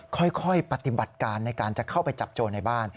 ค่อยปฏิบัติการในการจะเข้าไปจับโจรในบ้าน